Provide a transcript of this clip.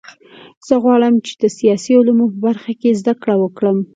زه غواړم چې د سیاسي علومو په برخه کې زده کړه وکړم